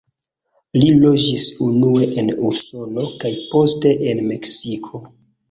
Li loĝis unue en Usono kaj poste en Meksiko.